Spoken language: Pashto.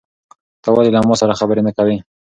ته ولې له ما سره خبرې نه کوې؟